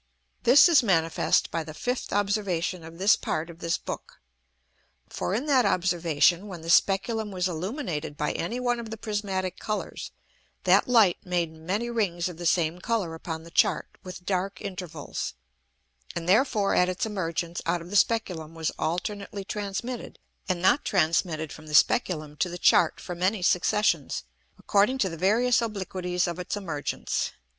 This is manifest by the fifth Observation of this part of this Book. For in that Observation, when the Speculum was illuminated by any one of the prismatick Colours, that Light made many Rings of the same Colour upon the Chart with dark Intervals, and therefore at its emergence out of the Speculum was alternately transmitted and not transmitted from the Speculum to the Chart for many Successions, according to the various Obliquities of its Emergence.